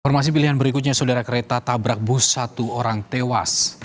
informasi pilihan berikutnya saudara kereta tabrak bus satu orang tewas